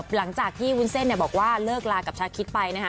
หลังจากที่วุ้นเส้นบอกว่าเลิกลากับชาคิดไปนะคะ